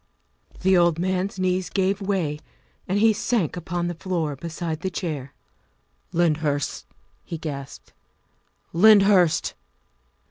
The old man's knees gave way and he sank upon the floor beside the chair. " Lyndhurst!" he gasped, " Lyndhurst!"